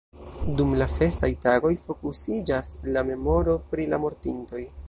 Dum la festaj tagoj fokusiĝas la memoro pri la mortintoj.